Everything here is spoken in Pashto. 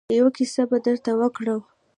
يوه کيسه به درته وکړم.